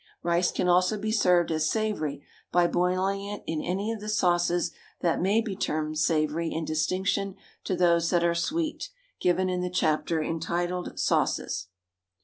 Rice can also be served as savoury by boiling it in any of the sauces that may be termed savoury in distinction to those that are sweet, given in the chapter entitled "Sauces."